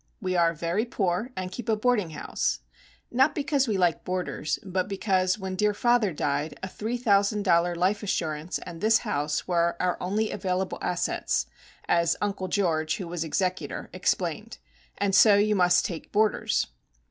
We are very poor and keep a boarding house; not because we like boarders, but because when dear father died a three thousand dollar life assurance and this house were our only "available assets," as Uncle George, who was executor, explained: "and so you must take boarders."